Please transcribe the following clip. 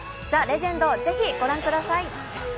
『ＴＨＥ★レジェンド』、ぜひご覧ください。